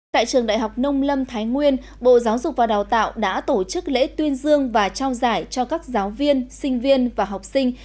tại trường đại học nông lâm thái nguyên bộ giáo dục và đào tạo đã tổ chức lễ tuyên dương và trao giải cho các giáo viên sinh viên và học sinh